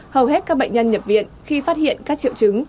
hầu hết các bệnh nhân nhập viện khi phát hiện các triệu chứng